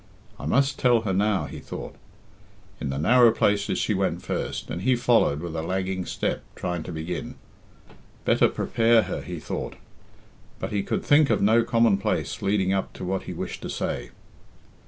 "I must tell her now," he thought. In the narrow places she went first, and he followed with a lagging step, trying to begin. "Better prepare her," he thought. But he could think of no commonplace leading up to what he wished to say.